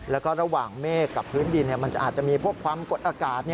แล้วก็ระหว่างเมฆกับพื้นดินมันจะอาจจะมีพวกความกดอากาศ